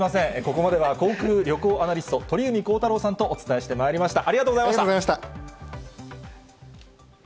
ここまでは航空・旅行アナリスト、鳥海高太朗さんとお伝えしてまいりました。